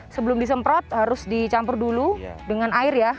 sebelum disemprot harus dicampur dulu dengan air ya